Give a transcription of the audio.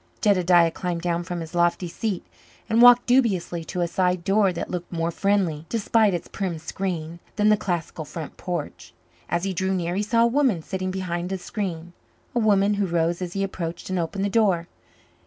Jedediah climbed down from his lofty seat and walked dubiously to a side door that looked more friendly, despite its prim screen, than the classical front porch. As he drew near he saw a woman sitting behind the screen a woman who rose as he approached and opened the door.